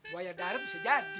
buaya darip bisa jadi